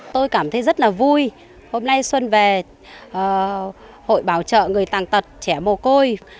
tôi cảm thấy rất là vui hôm nay xuân về hội bảo trợ người tàn tật trẻ mồ côi